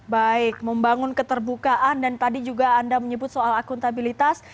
baik membangun keterbukaan dan tadi juga anda menyebut soal akuntabilitas